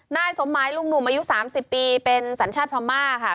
นายสมหมายลุงหนุ่มอายุ๓๐ปีเป็นสัญชาติพม่าค่ะ